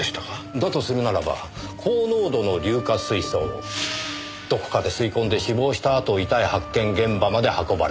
だとするならば高濃度の硫化水素をどこかで吸い込んで死亡したあと遺体発見現場まで運ばれた。